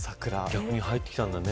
逆に入ってきたんだね。